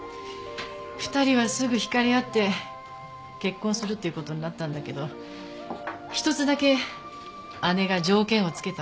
２人はすぐ惹かれ合って結婚するっていう事になったんだけど一つだけ姉が条件を付けたの。